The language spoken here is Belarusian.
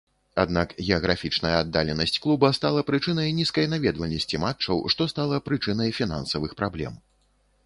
Аднак геаграфічная аддаленасць клуба стала прычынай нізкай наведвальнасці матчаў, што стала прычынай фінансавых праблем.